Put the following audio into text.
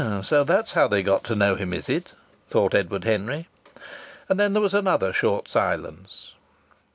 "So that's how they got to know him, is it?" thought Edward Henry. And then there was another short silence.